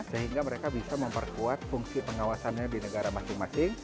sehingga mereka bisa memperkuat fungsi pengawasannya di negara masing masing